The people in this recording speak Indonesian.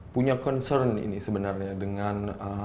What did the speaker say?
punya concern ini sebenarnya dengan